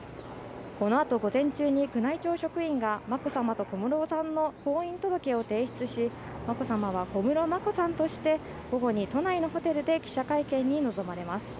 このあと午前中に宮内庁職員が眞子さまと小室さんの婚姻届を提出し、眞子さまは小室眞子さんとして午後に都内のホテルで記者会見に臨まれます。